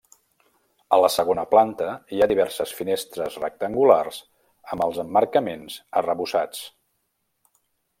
A la segona planta hi ha diverses finestres rectangulars amb els emmarcaments arrebossats.